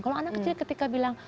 kalau anak kecil ketika bilang